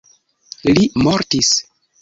Li mortis.